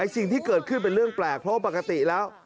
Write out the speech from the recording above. สิ่งที่เกิดขึ้นเป็นเรื่องแปลกเพราะว่าปกติแล้ว